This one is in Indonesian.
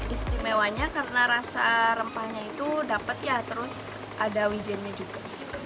istimewanya karena rasa rempahnya itu dapat ya terus ada wijennya juga